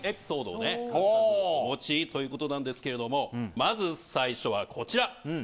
数々お持ちということなんですけれどもまず最初はこちら。